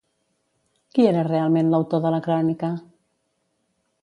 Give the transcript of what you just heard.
Qui era realment l'autor de la crònica?